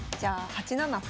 ８七歩？